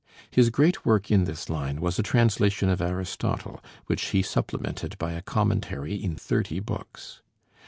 His great work in this line was a translation of Aristotle, which he supplemented by a commentary in thirty books.